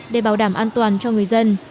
để bảo đảm an toàn cho người dân